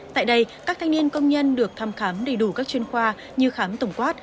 tại đây các thanh niên công nhân được thăm khám đầy đủ các chuyên khoa như khám tổng quát